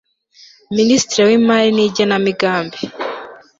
minisitiri w imari ni genamigambi